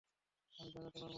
আমি জাগাতে পারব না।